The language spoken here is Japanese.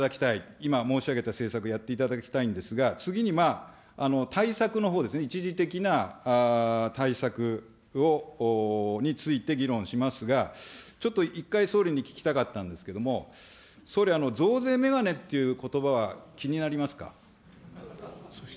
今申し上げた政策やっていただきたいんですが、次にまあ、対策のほうですね、一時的な対策を、について議論しますが、ちょっと一回、総理に聞きたかったんですけれども、総理、増税眼鏡ということばは気になりますか。